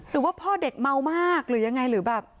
หรือว่าพ่อเด็กเมามากหรือยังไงหรือแบบ